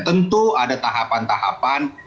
tentu ada tahapan tahapan